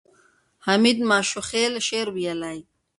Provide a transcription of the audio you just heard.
حمید ماشوخېل شعر ویلی.